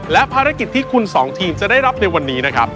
และภารกิจที่คุณสองทีมจะได้รับในวันนี้นะครับ